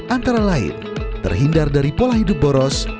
antara lain terhindar dari pola hidup boros